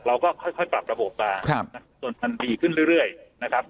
เราก็ค่อยปรับระบบมาจนมันดีขึ้นเรื่อยนะครับ